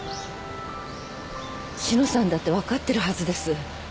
志乃さんだって分かってるはずです。